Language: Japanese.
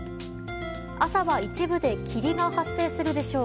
朝は一部で霧が発生するでしょう。